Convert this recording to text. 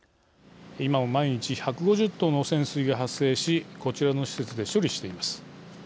今も毎日１５０トンの汚染水が発生しこちらの施設で処理しています。